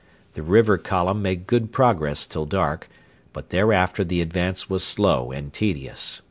The River Column made good progress till dark, but thereafter the advance was slow and tedious.